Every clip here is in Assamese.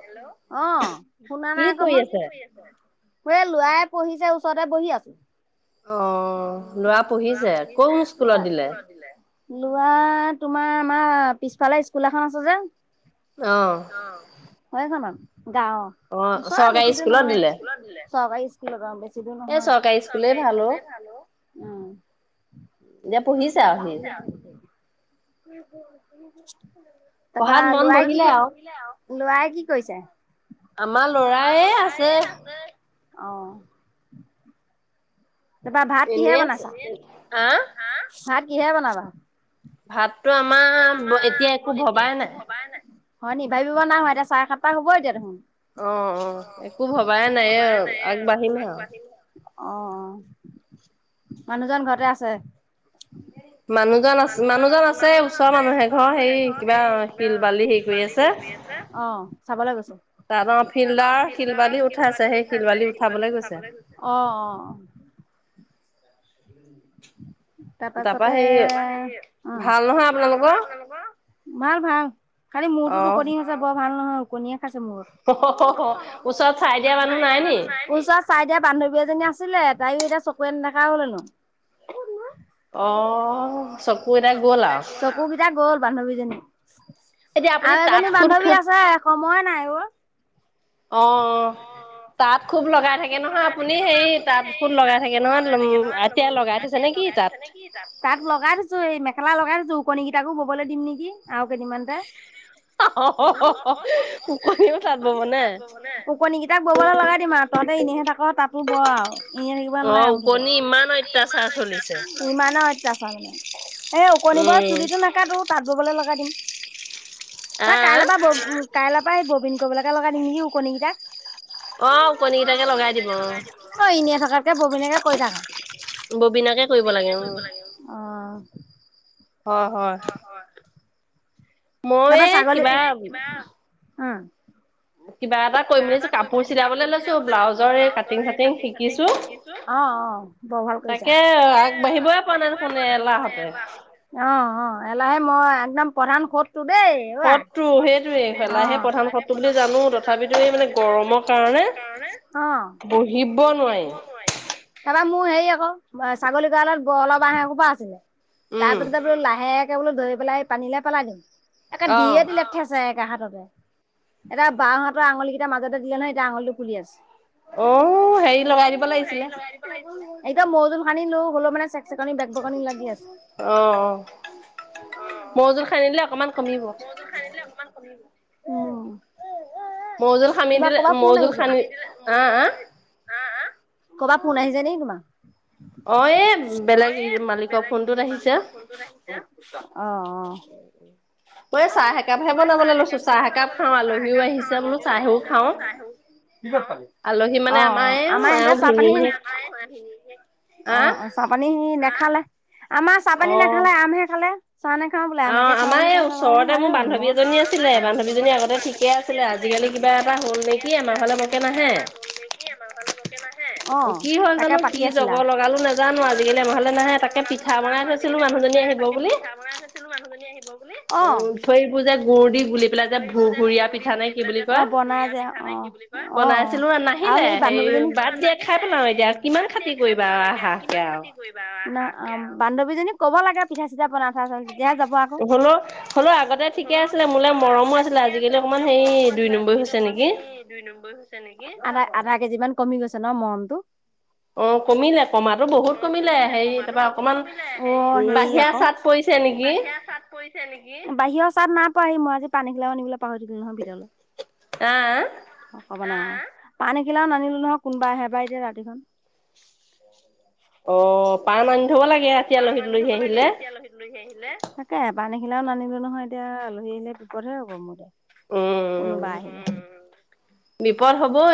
হেল্ল অ শুনা নাই আকৌ মই কি কৰি আছে? পুৱে লৰাই পঢ়িছে ওচৰতে বহি আছো। অ লৰা পঢ়িছে কোন স্কুলত দিলে? লোৱা তোমাৰ আমাৰ পিছফালে স্কুল এখন আছে যে আহ। হয় খনত। গাঁৱৰ ওচয়ে বেছি দূৰ নহয় চৰকাৰী স্কুলত দিলে, চৰকাৰী স্কুলত অ, বেছি দূৰ নহয় চৰকাৰী স্কুলয়ে ভাল অ। [unintelligible] তাৰপা লোৱাই কি কি? লোৱাই কি কৰিছে? আমাৰ লৰায়ে এ আছে। আহ। এনেই আছোঁ আহ। চাত কিহে বনাবা? ভাততো আমাৰ এতিয়া একো ভবাই নাই। হয় নি ভাবিব নাই হোৱা এতিয়া চাই সাত টাই হব এতিয়া দেখোন। অ অ একো ভবাই নাই আগবাঢ়িম হে আও। অ অ মানুহজন ঘৰতে আছে? এ মানুহজন আছ মানুহজন আছে ওচৰৰ মানুহে ঘৰৰ সেই কিবা শিল বালি হেৰি কৰি আছে। অ চাবলৈ গৈছে তাৰ ফিল্ডাৰ শিল পালি উঠাইছে সেই শিল বালি উঠাবলৈ গৈছে অ অ। [unintelligible] তাৰ পাছতে অ ভাল নহয় আপোনালোকৰ ভাল ভাল। খালি মূৰটো উকণি হৈছে বৰ ভাল নহয়। ওকণীয়ে খাইছে মূৰত ওচৰত চাই দিয়া মানু্হ নাই নি ওচৰত চাই দিয়া বান্ধৱী এজনী আছিলে। তাইও এতিয়া চকুৰে নেদেখা হল হেনো। অ চকু এটা গ'ল আও। [inaudible] আৰু এজনী বান্ধৱী আছে সময় নাই অ। অ তাঁত খুব লগাই থাকে নহয়, আপুনি সেই তাত খুব লগাই থাকে নহয়, এতিয়া লগাই থৈছে নেকি তাত। মেখেলা লগাই থৈছোঁ ওকণী কেইটাকো ববলৈ দিম নেকি? আৰু কেইদিন মানতে। অ অ অ উকণিও তাঁত বব নে? ওকণী কেইটাক ববলৈ লগাই দিম আৰু তহঁতে এনেইহে থাক তাতো ব আৰু এনে থাকিব নালাগে। মুঠতে ইমান অত্যাচাৰ মানে এই ওকণিবোৰৰ চুলিটো নাকাতো তাত ববলৈ লগাই দিম। কাইলৈৰ পৰা কাইলৈৰ পৰা ববীন কৰিবলৈ। এক লগাই দিম নেকি উকণী কেইটাক। অ' ওকণী কেইটাকে লগাই দিব অ'। তাতকে ববিনকে কৰি থাক। ববিনকে কৰিব লাগে। অ'। হয়, হয়। মইয়ে কিবা। উ'ম। কিবা এটা কৰিব কাপোৰ চিলাবলৈ লৈছো। ব্লাউজৰ এ কাটিং চাটিং শিকিছো। অ' ' অ' বৰ ভাল কৰিছা তাকে আগবাঢ়িবই পোৱা নাই নহয় এলাহতে। এলাহ মই একদম প্ৰধান সোত। শত্ৰু সেইটোয়ে এলাহে প্ৰধান শত্ৰু বুলি জানো তথাপিও। তথাপিটো এই মানে গৰমৰ কাৰণে অ বহিব নোৱাৰি। তাৰপা মোৰ হেৰি আকৌ ছাগলী গৰালত বৰলৰ বাঁহ এহুপা আছিলে। তাৰ পিছত ব লাহে তে বোলো ধৰি পেলাই পানীলে পেলাই দিম। একে দিয়ে দিলে। দিলে টেচেক হাততে এটা। বাওঁহঁতৰ আঙুল কেইটা মাজতে দেলে নহয়। এতিয়া আঙুলিটো ফুলি আছে। অ' হেৰি লগাই দিব লাগিছিলে। এইদম মৌজুল সানি লো হলো মানে- অ' মৌজুল সানিলে অকণমান কমিব। অ'হ। মৌজুল সানি দিলে মৌজুল সানি সাঁ। ক'বাত ফোন আহিছে নেকি তোমাৰ। অ' এই বেলেগ মালিকৰ ফোনটোত আহিছে, অ অ' মই চাহ একাপহে বনাবলৈ লৈছো। ওঁ আহিছে বোলো চাহও খাওঁ আলহী মানে আমাৰ ভিনিহিয়েক অ' চাহ পানী না- নাখালে। আমাৰ চাহপানী নাখালে আমহে খালে। চাহ নেখাওঁ বোলে আমকে খাওঁ বুলি ক'লে, তাৰপাছত ভালেই হল বোলো মই - বান্ধৱী এজনী আছিলে বান্ধৱীজনী আগতে ঠিকে আছিলে আজিকালি কিবা এটা হল নেকি আমাৰ ফালে বকে নাহে। অ তাকে পাতি আছিলা। কি হল জানো কি জগৰ লগালো নাজানো আজিকালি আমাৰ ঘৰলে নাহে তাকে পিঠা বনাই থৈছিলো মানুহজনী আহি উ যে গুড় দি গুলি পেলাই যে ভোক গুড় দি গুলি পেলাই যে অ বনাই যে বুলি অ অ আৰু সেই বান্ধীজনী নাহিলে হে বাদ দিয়া খাই পেলাওঁ এতিয়া কিমান খাতি কৰিবা। অ বান্ধৱীজনীক ক'ব লাগে পিঠা-চিঠা বনাই হ'লো হ'লো আগতে ঠিকে আছিলে মোলৈ মৰমো আছিলে আজি আছিলে মোলে মৰমো আছিলে আজিকালি অকনমান হে দুই নম্বৰ হৈছে নেকি আধা কেজি ইমান কমি গৈছে ন মৰমটো। অ কমিলে কমাটো বহুত কমিলে অ হে আকৌ বাহিৰাৰ চাট পৰিছে নেকি, বাহিৰ চাট নাই পৰা মই আজি পানী [unintelligible] পাহৰি ঠাকিলো নহয় ভিতৰলে। পাণ এখিলাও নানিলো নহয় কোনোবা আহে বা এতিয়া ৰাতিখন। অ। পাণ আনি থ'ব লাগে এতিয়া আলহী-তুলহী আহিলে তাকে পান এখিলাও নানিলো নহয় এতিয়া আলহী আহিলে বিপদহে হ'ব মোৰ এতিয়া। কোনোবা আহিলে।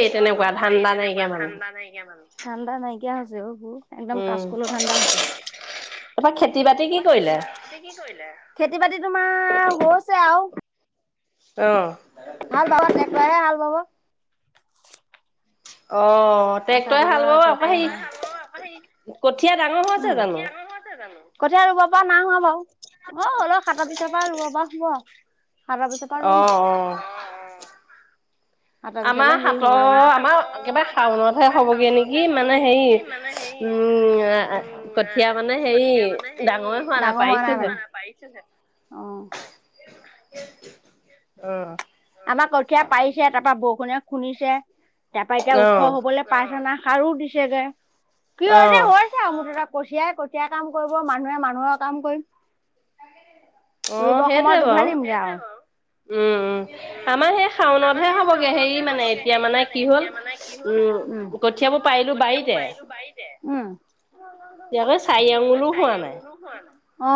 বিপদ হ'বই তেনেকুৱা ধান্দা নাইকিয়া মানুহ। ধান্দা নাইকিয়া হৈছে অহ। একদম কাচকলৰ ধান্দা হৈছে খেতি বাতি কি কৰিলা? খেতি বাতি তোমাৰ হৈছে আৰু। অহ। অ ট্ৰেক্টৰে হাল বাব পাবসি। কঠীয়া ডাঙৰ হৈ আছে জানো? কঠিয়াই ৰুব পৰা নাই হোৱা বাৰু। অ অলপ সাটৰ পিছৰ পৰা ৰুব পৰা হব সাট পিছৰ পৰা ৰুম আৰু। অ, অহ। আমাৰ সাটৰ আমাৰ একেবাৰে শাওনত হ'বগে নেকি মানে হেৰি উম কঠীয়া মানে হেৰি ডাঙৰে হোৱা নাই পাৰিছোহে। অ। আমাৰ কঠীয়া পাৰিছে তাৰ পৰা বৰষুণে খুনিছে। তাৰ পৰা এতিয়া ওখ হবলৈ পাইছে না? সাৰো দিছেগে। কি হৈছে হৈছে আৰু মূঠতে। কচিয়াই কঠিয়াই কাম কৰিব মানুহে মানুহৰ কাম কৰিম। অ! সেইটোৱে বাৰু উম, উম আমাৰ সেই শাওনতহে হবগে, হেৰি মানে এতিয়া মানে কি হ'ল, উম কঠিয়াবোৰ পাৰিলো বাৰীতে। উম য়াকে চাৰি আঙুলো হোৱা নাই। অ!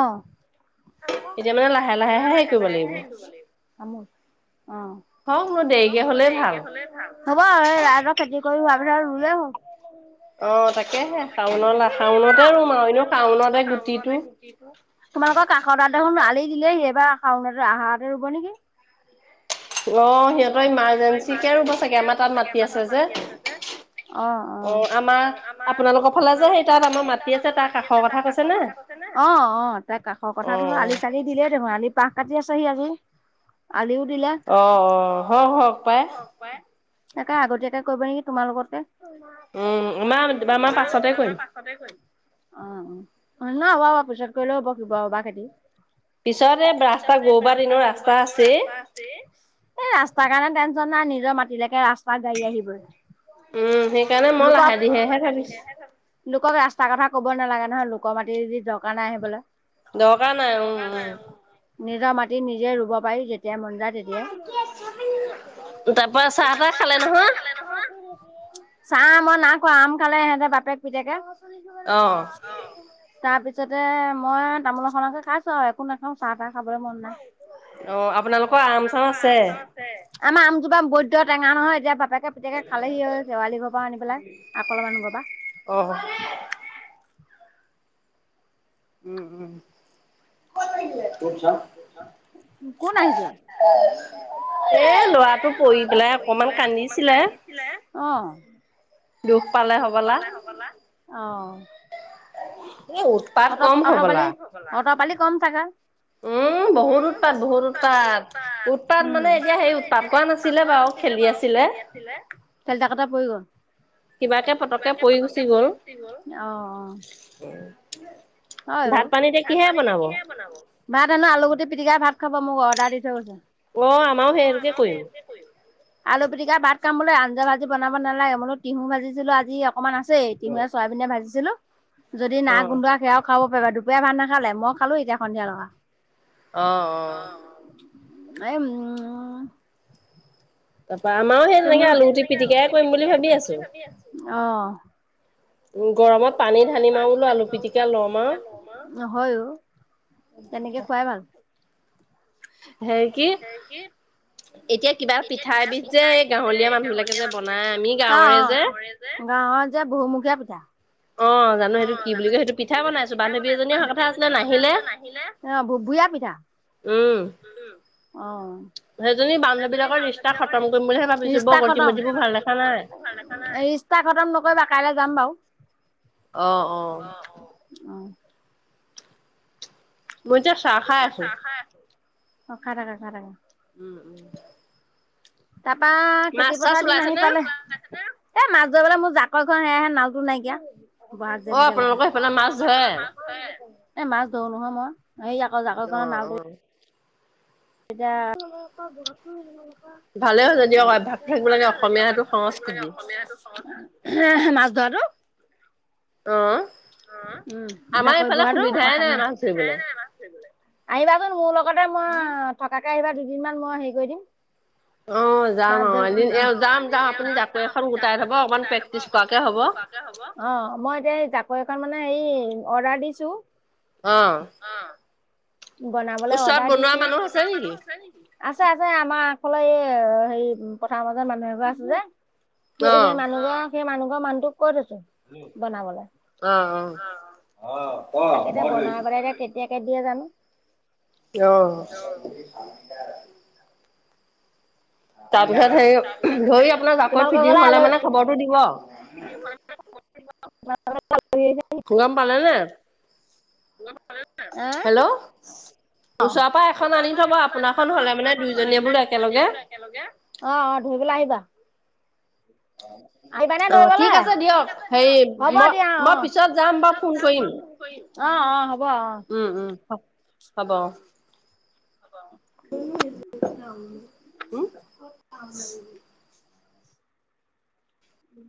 এতিয়া মানে লাহে লাহেহে, হেৰি কৰিব লাগিব। অ! দেৰিকে হলে ভাল, হ'ব, ৰাইজৰ খেতি কৰি- [unintelligible] অ তাকেহে! শাওনা-শাওনতে ৰুম আৰু এনেও শাওনতে গুটিটো দিলে এইবাৰ শাওনতে, আহাৰতে ৰুব নেকি। অ! সিহঁতৰ ইমাৰ্জেঞ্চিকে ৰুব চাগে, আমাৰ তাত মাটি আছে যে, অ! অ! আমাৰ আপোনালোকৰ ফালে যে সেই তাত আমাৰ মাটি আছে তাৰ কাষৰ কথা কৈছে নে? অ! অ! তাৰ কাষৰ কথাটো আলি-চালি দিলেই দেখোন! আলি- বাঁহ কাটি আছেহি আজি। আলিও- অ! অ! হওক! হওক! পাই। তাকে আগতীয়াকে কৰিব নেকি তোমাৰ লগতে। অ [unintelligible] পাছতে কৰিম। অ! [unintelligible] হ'ব পিছত কৰিলেও হব, কিবা হব খেতি! পিছত এই ৰাস্তা, [unintelligible] দিনৰ ৰাস্তা আছে এই ৰাস্তাৰ কাৰণে টেনচন নাই, নিজৰ মাতিলেকে ৰাস্- গাড়ী আহিব। লোকক, লোকক ৰা- ৰাস্তা কথা ক'ব নালাগে নহয়, লোকৰ মাটি যদি দৰকাৰ নাই আহিবলৈ। দৰকাৰ নাই। উম! উম! নিজৰ মাটিত নিজে ৰুব পাৰি যে তাৰপৰা চাহ তাহ খালে নহয়? চাহ মই নাই খোৱা, আম খালে ইহঁতে বাপেক পুতেকে। তাৰ পিছ- তাৰপিছতে, মই তামোলৰখনকে খাইছো আৰু একো নাখাওঁ, চাহ তাহ খাবলৈ মন নাই। অ! আপোনালোকৰ আম চাম আছে! আমাৰ আমজোপা বৈদ্য টেঙা নহয়, এতিয়া বাপে- পুতেকে খালেহি আৰু শেৱালি ঘৰৰ পৰা আনি পেলাই, আগফাল মানু্হ ঘৰৰপা। উম! উম! [unintelligible] ল'ৰাটো পৰি পেলাই অকণমান কান্দিছিলে অ দুখ পালে সবলা অ এই উৎপাত কম হ'বলা কম থাকে [unintelligible] উম বহুত উৎপাত বহুত উৎপাত তাত মানে এতিয়া সেই উৎপাত [unintelligible] পোৱা নাছিলে বাৰু খেলি আছিলে খেলিথাকোতে পৰি গ'ল কিবাকে পতকে পৰি গুচি গল অ [inaudible] হয় অ ভাত পানীতে কিহে বনাব ভাত আনো আলুগুটি [unintelligible] পিটিকা ভাত খাব মোক অৰ্ডাৰ দি থৈ গৈছে অ আমাও সেইটোকে কৰিম আলু পিটিকা ভাত কাম বোলো আঞ্জ ভাজি বনাব নালাগে মই বোলো তিহু ভাজিছিলো আজি অকণমান আছেই তিহুৱে চৰাই বিনে ভাজিছিলো যদি না গোন্ধোৱা সেৱাও খাব পাৰিবা দুপৰীয়া ভাত নাখালে মই খালো এতিয়া সন্ধিয়া লগা অ অ এই তাপা আমাৰো সেই তেনেকে আলুগুটি পিটিকাই কৰিম বুলি ভাবি আছোঁ অ নহয় অ তেনেকে খুৱাই ভাল সেই কি বহুমুখীয়া পিঠা ৰিস্তাখতম নকৰিবা কাইলৈ যাম বাৰু অ অ অ মই যে চাহ খাই আছোঁ। অ খাই থাকা খাই থাকা উম উম তাৰাপা খেতি পথাৰ দিন আহি পালে এ মাছ ধৰিবলে মোৰ জাকৈখন সেয়াহে নালটো নাইকিয়া অ তোমালোকৰ সেইফালে মাছ ধৰে এ মাছ ধৰো নহয় মই এই আকৌ জাকৰ কৰা নালধৰি এতিয়া ভালে হলে দিয়ক অভ্যাসটো থাকিব লাগে অসমীয়াটো সেইটো সংস্কৃতি। [unintelligible] মাছ ধৰাটো অঁ, আমাৰ এইফালে সুবিধাই নাই মাছ ধৰিবলে। আহিবাচোন মোৰ লগতে মই থকাকে আহিবা দুদিনমান মই হেৰি কৰি দিম। যাম- যাম, জাকৈ এখন গোটাই থ'ব অকন প্ৰেক্টিচ কৰাকে হ'ব, অ মই এতিয়া যাক সেইখন মানে হেৰি অৰ্ডাৰ দিছোঁ। অঁ বনাবলে অৰ্ডাৰ দিছোঁ, ওচৰত বনুৱা মানুহ আছে নিকি। আছে- আছে, আমাৰ আগফালৰ এই হেৰি পথাৰৰ মাজত মানুহ এঘৰ আছে যে সেই-সেই মানুহ জন সেই মানুহ মই মানুটোক অঁ তাকেদে বনাই পেলাই এতিয়া কেতিয়া কে দিয়ে জানো। কিয়। তাৰপিছত হেৰি, ধৰি আপোনাৰ জাকৈ ফিটিং হ'লে মানে খবৰটো দিব। [unintelligible] গম পালে নে, হেল্ল'। অঁ, ওচৰৰ পৰা এখন আনি থব আপোনাৰখন হ'লে মানে দুইজনীয়ে বোলো একেলগে, অঁ অঁ ধৰিবলে আহিবা। অঁ ঠিক আছে দিয়ক, হেৰি মই-মই পিছত যাম বাৰু ফোন কৰিম। অঁ অঁ উম- উম হ হ'ব অঁ। উম